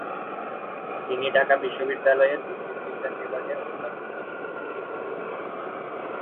তিনি ঢাকা বিশ্ববিদ্যালয়ের উদ্ভিদবিজ্ঞান বিভাগের অধ্যাপক ছিলেন।